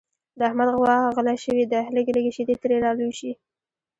د احمد غوا غله شوې ده لږې لږې شیدې ترې را لوشي.